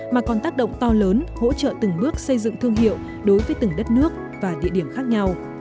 mà còn tác động to lớn hỗ trợ từng bước xây dựng thương hiệu đối với từng đất nước và địa điểm khác nhau